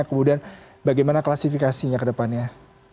kemudian bagaimana klasifikasinya ke depannya